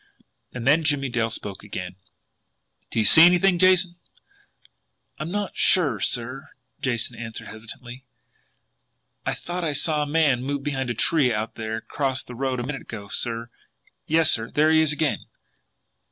And then Jimmie Dale spoke again: "Do you see anything, Jason?" "I'm not sure, sir," Jason answered hesitantly. "I thought I saw a man move behind a tree out there across the road a minute ago, sir. Yes, sir there he is again!"